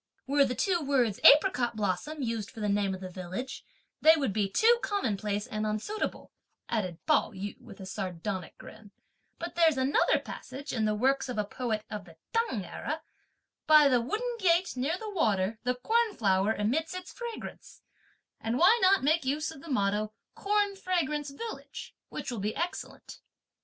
'" "Were the two words 'apricot blossom' used for the name of the village, they would be too commonplace and unsuitable;" added Pao yü with a sardonic grin, "but there's another passage in the works of a poet of the T'ang era: 'By the wooden gate near the water the corn flower emits its fragrance;' and why not make use of the motto 'corn fragrance village,' which will be excellent?"